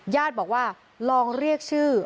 ญาติบอกว่าลองเรียกชื่อ